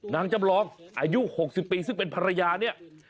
จำลองอายุ๖๐ปีซึ่งเป็นภรรยาเนี่ย